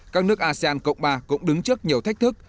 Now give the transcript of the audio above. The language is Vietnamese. các nước asean cộng ba cũng đứng trước nhiều thách thức